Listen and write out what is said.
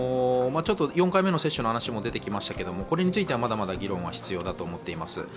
４回目接種の話も出てきましたけど、これについてはまだまだ議論が必要だと思っています。